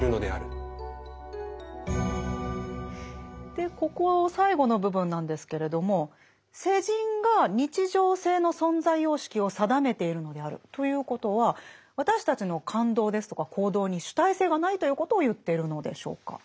でここ最後の部分なんですけれども「世人が日常性の存在様式を定めているのである」ということは私たちの感動ですとか行動に主体性がないということを言っているのでしょうか？